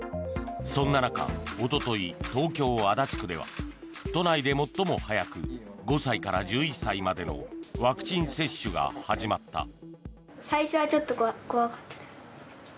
そんな中、おととい東京・足立区では都内で最も早く５歳から１１歳までのワクチン接種が始まった。